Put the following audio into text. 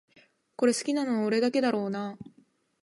これ好きなの俺だけだろうなあ